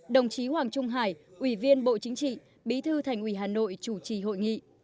đồng chí hoàng trung hải ủy viên bộ chính trị bí thư thành ủy hà nội chủ trì hội nghị